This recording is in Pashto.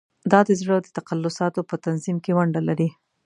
دا د زړه د تقلصاتو په تنظیم کې ونډه لري.